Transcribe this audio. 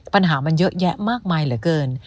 ปัญหามันเยอะแยะมากมายเหลือเกิน